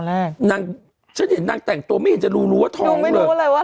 แรกนางฉันเห็นนางแต่งตัวไม่เห็นจะรู้รู้ว่าท้องเลยรู้เลยว่า